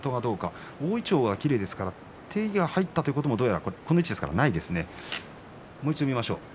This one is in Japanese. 大いちょうがきれいですから手が入ったということはこの位置ですから、ないですね。